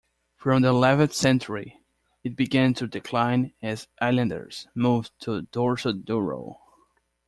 From the eleventh century, it began to decline as islanders moved to Dorsoduro.